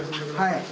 はい。